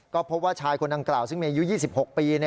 ก็พบว่าชายคนดังกล่าวซึ่งมีอายุ๒๖ปี